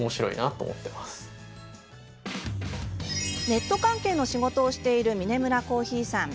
ネット関係の仕事をしているミネムラコーヒーさん。